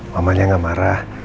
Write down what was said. mamanya nggak marah